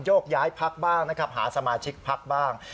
ยกย้ายพักบ้างนะครับหาสมาชิกพักบ้าง